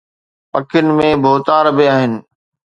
پکين ۾ ڀوتار به آهن